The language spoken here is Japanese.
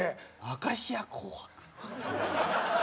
「明石家紅白！」。